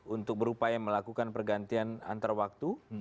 untuk berupaya melakukan pergantian antar waktu